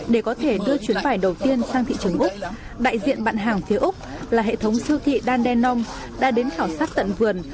để có thể đưa chuyến vải đầu tiên sang thị trường úc đại diện bạn hàng phía úc là hệ thống siêu thị đan đenon đã đến khảo sát tận vườn